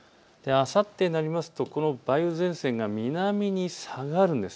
あさってになるとこの梅雨前線が南に下がるんです。